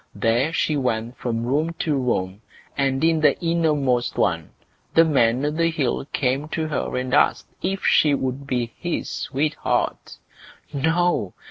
There she went from room to room, and in the innermost one the Man o' the Hill came to her and asked if she would be his sweetheart? No!